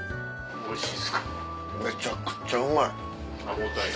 おいしい。